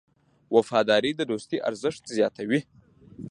وفاداري د دوستۍ ارزښت زیاتوي.